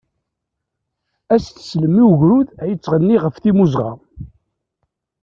ad as-teslem i ugrud ad yetɣenni ɣef timmuzɣa.